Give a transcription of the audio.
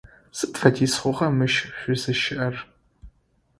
Сыд фэдиз хъугъа мыщ шъузыщыӏэр?